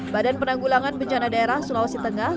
badan penanggulangan bencana daerah sulawesi tengah